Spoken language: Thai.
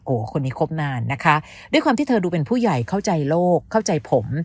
คนนี้คบนานนะคะด้วยความที่เธอดูเป็นผู้ใหญ่เข้าใจโลกเข้าใจผม